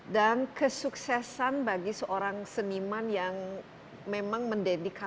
dan kesuksesan bagi seorang seniman yang memang mendedikasikan